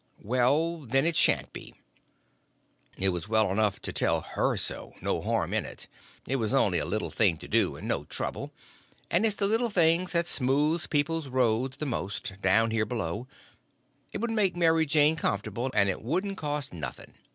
"Well, then, it sha'n't be." It was well enough to tell her so—no harm in it. It was only a little thing to do, and no trouble; and it's the little things that smooths people's roads the most, down here below; it would make Mary Jane comfortable, and it wouldn't cost nothing.